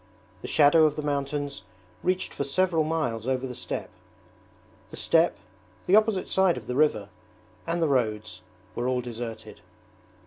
The shadow of the mountains reached for several miles over the steppe. The steppe, the opposite side of the river, and the roads, were all deserted.